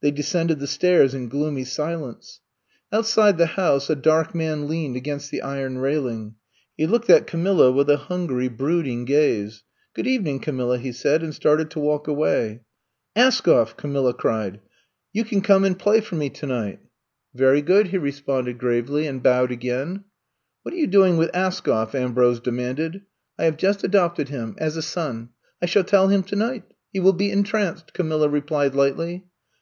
They descended the stairs in gloomy si lence. Outside the house a dark man leaned against the iron railing. He looked at Ca milla with a hungry, brooding gaze. Good evening, Camilla," he said, and started to walk away. Askoff!" Camilla cried. You can come and play for me tonight." I'VE COMB TO STAT 63 "Very good/* he responded gravely, and bowed again. What are yon doing with Askoflff" Ambrose demanded. I have jnst adopted him — as a son. I shall tell him tonight. He will be en tranced, Camilla replied lightly.